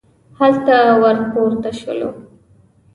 هلته ور پورته شولو.